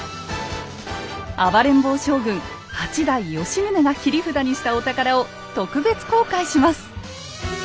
暴れん坊将軍８代吉宗が切り札にしたお宝を特別公開します。